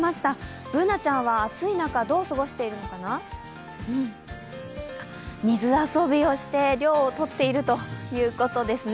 Ｂｏｏｎａちゃんは暑い中、どう過ごしているのかな水遊びをして涼をとっているということですね